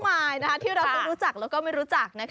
มายที่เราจะรู้จักแล้วก็ไม่รู้จัก